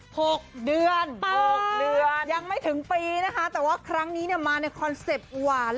หกเดือนหกเดือนยังไม่ถึงปีนะคะแต่ว่าครั้งนี้เนี่ยมาในคอนเซ็ปต์หวาน